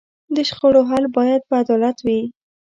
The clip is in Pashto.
د شخړو حل باید په عدالت وي.